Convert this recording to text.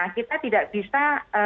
kita tidak bisa